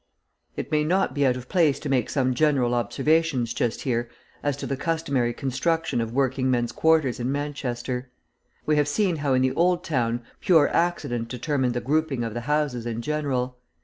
It may not be out of place to make some general observations just here as to the customary construction of working men's quarters in Manchester. We have seen how in the Old Town pure accident determined the grouping of the houses in general.